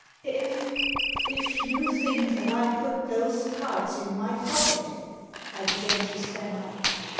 "If— if you think that I put those cards in my pocket," I began to stammer.